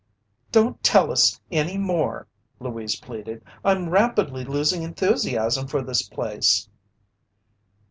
"Don't tell us any more," Louise pleaded. "I'm rapidly losing enthusiasm for this place!"